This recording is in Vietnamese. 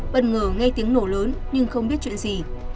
bất ngờ nghe tiếng nổ lớn nhưng không biết chuyện gì